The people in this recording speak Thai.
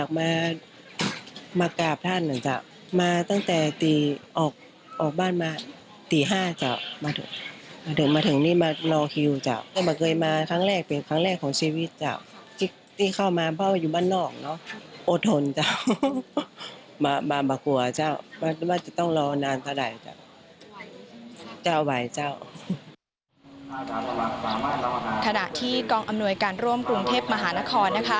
ขนาดที่กองอำนวยการร่วมกรุงเทพมหานคร